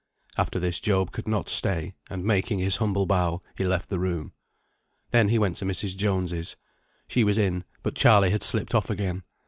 After this Job could not stay, and, making his humble bow, he left the room. Then he went to Mrs. Jones's. She was in, but Charley had slipped off again.